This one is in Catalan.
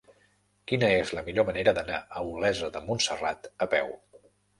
Quina és la millor manera d'anar a Olesa de Montserrat a peu?